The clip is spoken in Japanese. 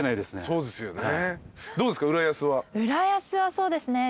そうですね。